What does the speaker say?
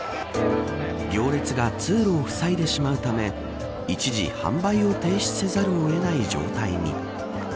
行列が通路を塞いでしまうため一時、販売を停止せざるを得ない状態に。